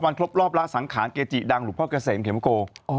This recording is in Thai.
ครบรอบละสังขารเกจิดังหลวงพ่อเกษมเข็มโก